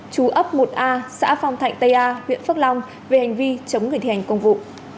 chú ấp một a xã phong thạnh tây a huyện phước long về hành vi chống người thi hành công vụ